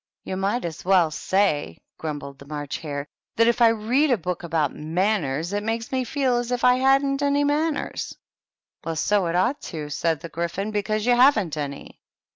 " You might as well say," grumbled the March Hare, " that if I read a book about * Manners,' it makes me feel as if I hadrUt any manners." "Well, so it ought to," said the Gryphon, "because you haven't any!"